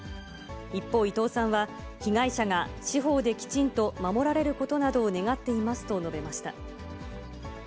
一方、伊藤さんは、被害者が司法できちんと守られることなどを願っていますと述べました。